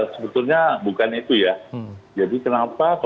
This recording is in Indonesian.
sebetulnya bukan itu ya